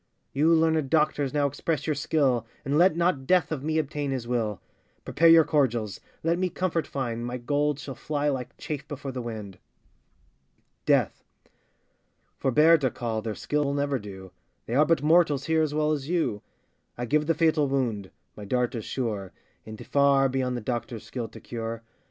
You learnèd doctors, now express your skill, And let not Death of me obtain his will; Prepare your cordials, let me comfort find, My gold shall fly like chaff before the wind. DEATH. Forbear to call, their skill will never do, They are but mortals here as well as you: I give the fatal wound, my dart is sure, And far beyond the doctor's skill to cure.